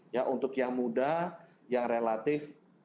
ya untuk yang muda yang relatif